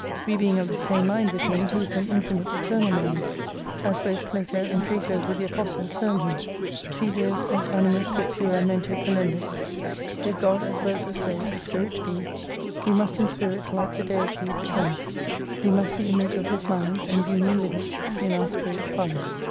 We being of the same mind with Him who is an infinite eternal mind. As both Plato and Cato with the Apostle, term Him. Si Deus est Animus sit pura Mente Colendus. If God, as verses say, a Spirit be We must in Spirit like the Deity Become : we must the Image of His mind And union with it, in our Spirit find.